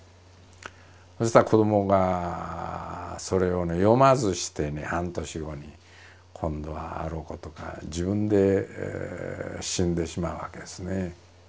そしたら子どもがそれをね読まずしてね半年後に今度はあろうことか自分で死んでしまうわけですね。